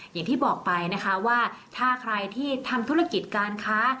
อย่างที่บอกไปนะคะว่าถ้าใครที่ทำธุรกิจการค้า